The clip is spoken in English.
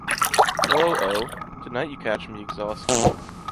Hello, Oh! Tonight you catch me exhausted.